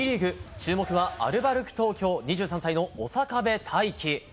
注目はアルバルク東京２３歳の小酒部泰暉。